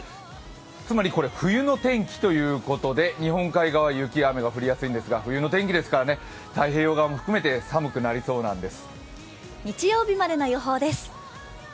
つまり冬の天気ということで、日本海側は雪、雨が降りやすいんですが、冬の天気ですから太平洋側も含めて寒くなりそうなんです。